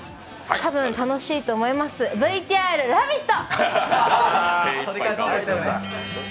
多分楽しいと思います、ＶＴＲラヴィット！